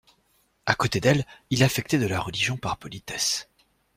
A côté d'elle, il affectait de la religion par politesse.